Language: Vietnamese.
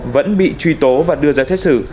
vẫn bị truy tố và đưa ra xét xử